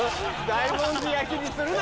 大文字焼きにするな！